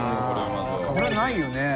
これはないよね。ねぇ。